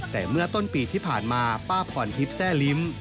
แต่เมื่อต้นปีที่ผ่านมาป้าพรทิพย์แซ่ลิ้ม